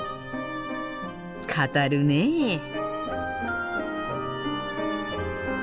語るねえ。